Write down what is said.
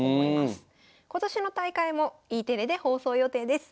今年の大会もＥテレで放送予定です。